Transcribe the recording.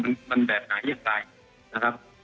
มันเป็นแบบไหนแยกใคร